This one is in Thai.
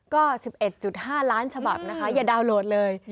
ก็๑๑๕ล้านฉบับนะคะอย่าดาวนโหลดเลย